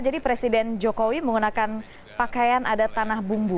jadi presiden jokowi menggunakan pakaian ada tanah bumbu